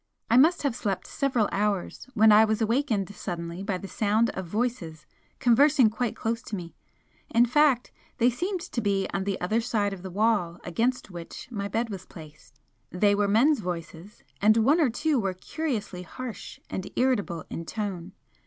I must have slept several hours when I was awakened suddenly by the sound of voices conversing quite close to me in fact, they seemed to be on the other side of the wall against which my bed was placed. They were men's voices, and one or two were curiously harsh and irritable in tone.